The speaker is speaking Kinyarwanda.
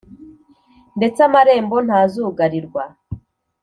ndetse amarembo ntazugarirwa